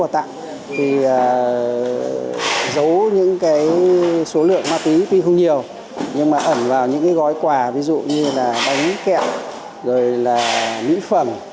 tuy không nhiều nhưng mà ẩn vào những gói quà ví dụ như là bánh kẹt rồi là mỹ phẩm